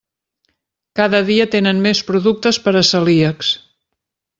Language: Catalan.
Cada dia tenen més productes per a celíacs.